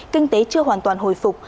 kinh tế chưa hoàn toàn hồi phục